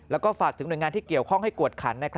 แล้วก็ฝากถึงหน่วยงานที่เกี่ยวข้องให้กวดขัน